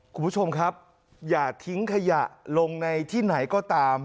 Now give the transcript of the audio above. คุณผู้ชมครับอย่าทิ้งขยะลงในที่ไหนก็ตาม